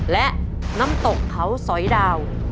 และน้ำตกเขาสอยดาว